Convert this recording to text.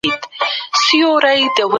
فابریکې څنګه د تولید معیارونه پلي کوي؟